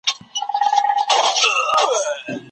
د دلارام ولسوالي د نیمروز ولایت لویه پانګه ده